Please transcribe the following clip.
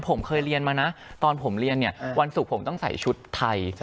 ผมเคยเรียนมานะตอนผมเรียนเนี่ยวันศุกร์ผมต้องใส่ชุดไทย